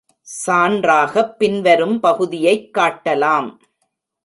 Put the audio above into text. சான்றாகப் பின்வரும் பகுதியைப் காட்டலாம்.